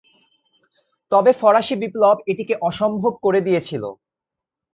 তবে ফরাসী বিপ্লব এটিকে অসম্ভব করে দিয়েছিল।